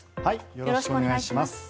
よろしくお願いします。